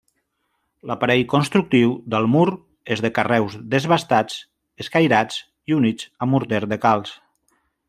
L'aparell constructiu del mur és de carreus desbastats, escairats i units amb morter de calç.